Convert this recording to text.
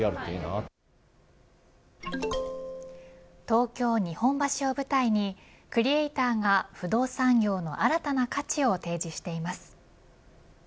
東京、日本橋を舞台にクリエイターが不動産業の新たな価値を提示しています。